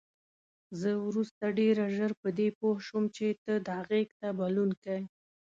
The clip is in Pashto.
زه وروسته ډېره ژر په دې پوه شوم چې ته دا غېږ ته بلونکی.